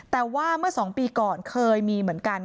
แต่ว่าเมื่อ๒ปีก่อนเคยมีเหมือนกัน